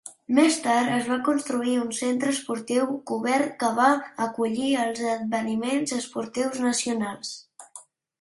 Més tard es va construir un centre esportiu cobert, que va acollir esdeveniments esportius nacionals.